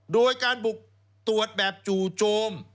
โดยการบุกตรวจแบบจู่โจม